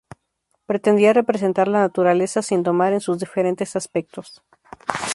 Pretendía representar la naturaleza sin domar en sus diferentes aspectos.